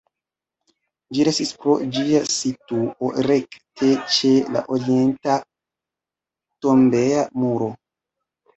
Ĝi restis pro ĝia situo rekte ĉe la orienta tombeja muro.